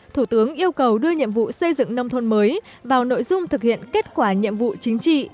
thủ tướng yêu cầu đưa nhiệm vụ xây dựng nông thôn mới vào nội dung thực hiện kết quả nhiệm vụ chính trị